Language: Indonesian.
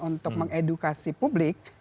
untuk mengedukasi publik